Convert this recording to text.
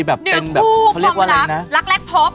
หนึ่งคู่ความรักรักแรกพบ